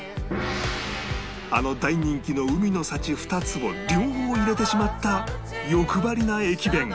あの大人気の海の幸２つを両方入れてしまった欲張りな駅弁